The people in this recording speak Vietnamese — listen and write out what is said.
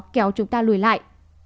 kéo chúng ta lùi lại